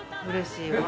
うれしい。